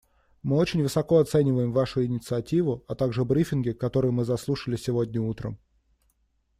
Мы очень высоко оцениваем Вашу инициативу, а также брифинги, которые мы заслушали сегодня утром.